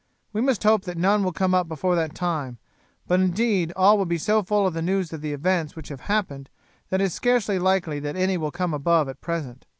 We must hope that none will come up before that time; but, indeed, all will be so full of the news of the events which have happened that it is scarce likely that any will come above at present."